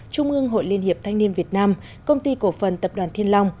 trung ương hội liên hiệp thanh niên việt nam công ty cổ phần tập đoàn thiên long